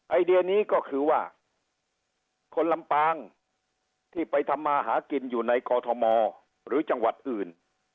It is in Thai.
ไอเดียนี้ก็คือว่าคนลำปางที่ไปทำมาหากินอยู่ในกอทมหรือจังหวัดอื่น